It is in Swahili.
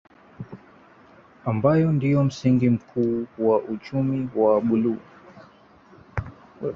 ambayo ndio msingi mkuu wa uchumi wa Buluu